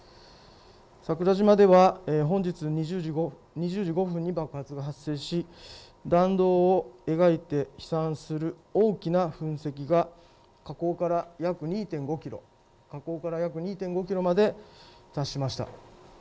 桜島では本日２０時５分に爆発が発生し弾道を描いて飛散する大きな噴石が火口から約２．５キロまで達しました。